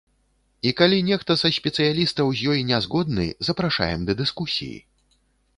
І калі нехта са спецыялістаў з ёй не згодны, запрашаем да дыскусіі.